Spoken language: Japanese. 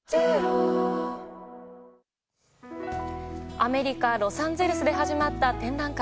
アメリカ・ロサンゼルスで始まった展覧会。